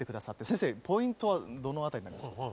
先生ポイントはどの辺りになりますか？